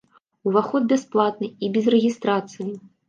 Уваход бясплатны і без рэгістрацыі.